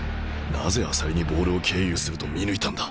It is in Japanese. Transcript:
なぜ朝利にボールを経由すると見抜いたんだ！？